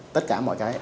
tất cả mọi cái